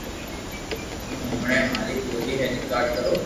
ھو ھمڙي ماري ڀولي ني ريڪارڌ ڪرو